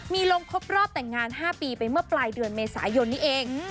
มีลงครบรอบแต่งงาน๕ปีไปเมื่อปลายเดือนเมษายนนี้เอง